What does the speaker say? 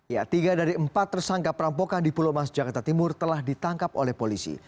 ya tiga dari empat tersangka perampokan di pulau mas jakarta timur telah ditangkap oleh polisi